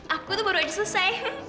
aku tuh baru aja selesai